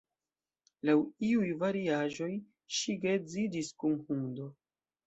Laŭ iuj variaĵoj, ŝi geedziĝis kun hundo.